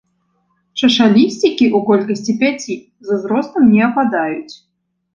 Чашалісцікі ў колькасці пяці, з узростам не ападаюць.